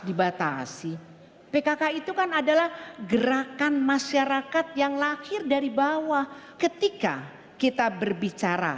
dibatasi pkk itu kan adalah gerakan masyarakat yang lahir dari bawah ketika kita berbicara